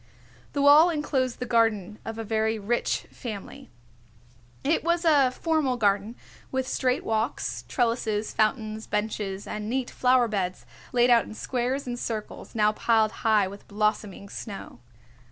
The wall enclosed the garden of a very rich family. It was a formal garden with straight walks, trellises, fountains, benches and neat flower beds laid out in squares and circles, now piled high with blossoming snow.